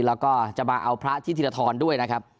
แล้วก็จะมาเอาพระที่ธีรทรด้วยนะครับ